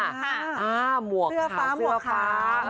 อ่าหมวกขาวเสื้อฟ้าหมวกขาว